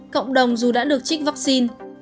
cộng đồng dù đã được trích vaccine